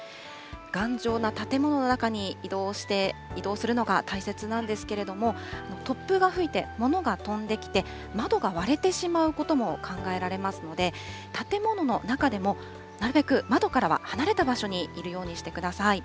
頑丈な建物の中に移動して、移動するのが大切なんですけれども、突風が吹いて、物が飛んできて、窓が割れてしまうことも考えられますので、建物の中でも、なるべく窓からは離れた場所にいるようにしてください。